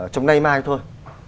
trong nay mai thôi